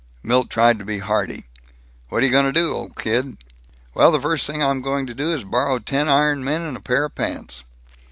Milt tried to be hearty: "What're you going to do, old kid?" "Well, the first thing I'm going to do is to borrow ten iron men and a pair of pants."